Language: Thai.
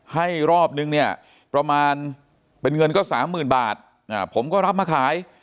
ให้รอบนึงเนี่ยประมาณเป็นเงินก็๓๐๐๐บาทผมก็รับมาขาย